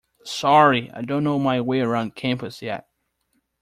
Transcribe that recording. Sorry, I don't know my way around campus yet.